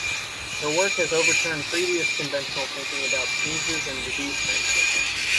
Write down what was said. Her work has overturned previous conventional thinking about sneezes and disease transmission.